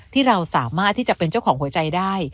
ที่เราสามารถที่จะเป็นเจ้าของหัวใจได้